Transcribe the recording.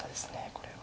これは。